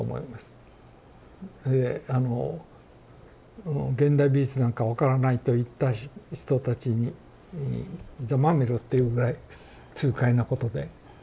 えあの「現代美術なんか分からない」と言った人たちに「ざまあみろ」っていうぐらい痛快なことで。